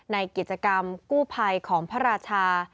ในกิจกรรมกู้ภัยของพระราชา